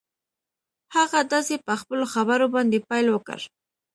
هغه داسې په خپلو خبرو باندې پيل وکړ.